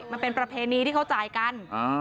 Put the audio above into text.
มันเป็นประเพณีที่เขาจ่ายกัน